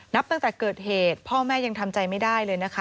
นับตั้งแต่เกิดเหตุพ่อแม่ยังทำใจไม่ได้เลยนะคะ